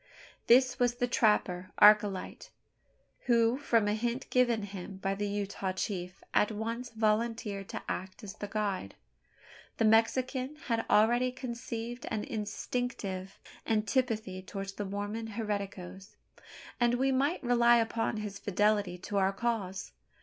This was the trapper, Archilete, who, from a hint given him by the Utah chief, at once volunteered to act as the guide. The Mexican had already conceived an instinctive antipathy towards the Mormon "hereticos;" and we might rely upon his fidelity to our cause.